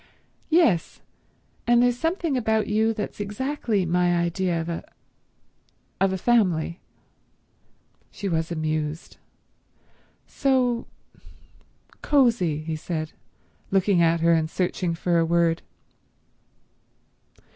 "Yes. And there's something about you that's exactly my idea of a—of a family." She was amused. "So—cosy," he said, looking at her and searching for a word.